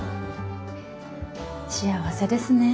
幸せですねえ。